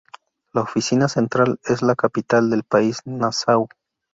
La oficina central está en la capital del país, Nasáu.